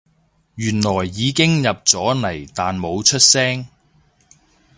原來已經入咗嚟但冇出聲